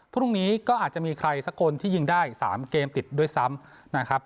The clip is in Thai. พรุ่งนี้ก็อาจจะมีใครสักคนที่ยิงได้๓เกมติดด้วยซ้ำนะครับ